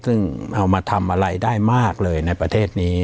ซึ่งเอามาทำอะไรได้มากเลยในประเทศนี้